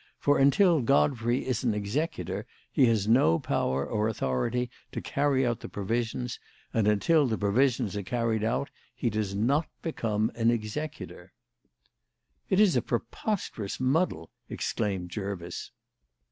For until Godfrey is an executor, he has no power or authority to carry out the provisions: and until the provisions are carried out, he does not become an executor." "It is a preposterous muddle," exclaimed Jervis.